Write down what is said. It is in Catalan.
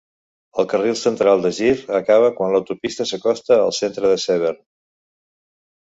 El carril central de gir acaba quan l'autopista s'acosta al centre de Severn.